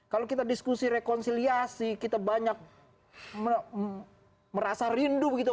kalau kita diskusi rekonsiliasi kita banyak merasa rindu begitu